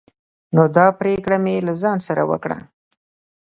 نو دا پريکړه مې له ځان سره وکړه